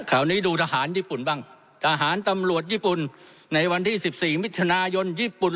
คราวนี้ดูทหารญี่ปุ่นบ้างทหารตำรวจญี่ปุ่นในวันที่๑๔มิถุนายนญี่ปุ่น